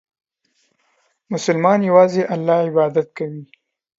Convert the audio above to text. مسلمان یوازې الله عبادت کوي.